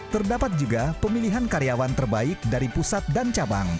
terdapat juga pemilihan karyawan terbaik dari pusat dan cabang